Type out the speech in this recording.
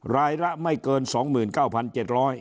รายละไม่เกิน๒๙๗๐๐บาท